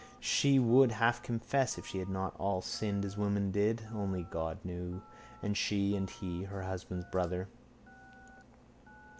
She would half confess if she had not all sinned as women did. Only God knew and she and he, her husband's brother.